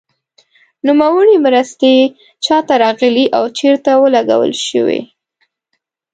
نوموړې مرستې چا ته راغلې او چیرته ولګول شوې.